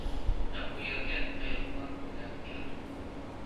مەن بۇ يەرگە ئايروپىلان بىلەن كەلدىم.